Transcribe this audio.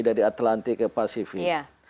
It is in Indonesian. dari atlantik ke pasifik